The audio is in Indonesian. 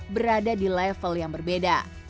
berada di level yang berbeda